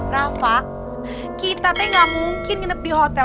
rafa kita teh gak mungkin nginep di hotel